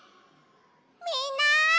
みんな！